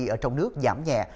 ở trong nước giảm nhẹ